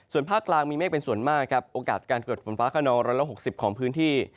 ส่วนภาคกลางมีเมฆเป็นส่วนมากครับโอกาสการเกิดฝนฟ้าขนอง๑๖๐ของพื้นที่